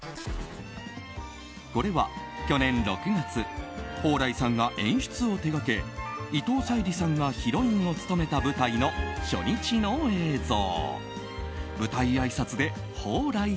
これは去年６月蓬莱さんが演出を手掛け伊藤沙莉さんがヒロインを務めた舞台の初日の映像。